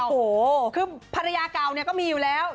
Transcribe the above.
โอ้โหคือภรรยาเก่าเนี่ยก็มีอยู่แล้ว